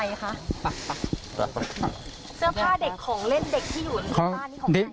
เสื้อผ้าเด็กของเล่นเด็กที่อยู่ในบ้านนี้ของเด็ก